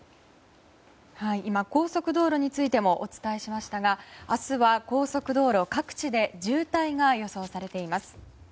今、高速道路についてもお伝えしましたが明日は高速道路各地で渋滞が予想されています。